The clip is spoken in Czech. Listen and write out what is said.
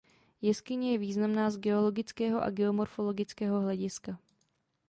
Jeskyně je významná z geologického a geomorfologického hlediska.